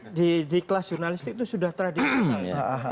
nah itu di kelas jurnalis itu sudah tradisional